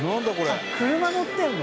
「あっ車乗ってるの？」